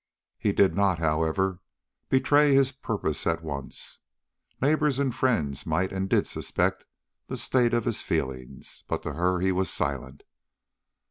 He did not, however, betray his purpose at once. Neighbors and friends might and did suspect the state of his feelings, but to her he was silent.